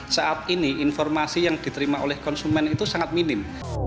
saat ini informasi yang diterima oleh konsumen itu sangat minim